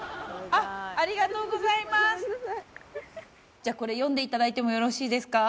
じゃあこれ読んでいただいてもよろしいですか？